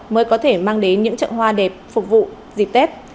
mới có thể mang đến những chợ hoa đẹp phục vụ dịp tết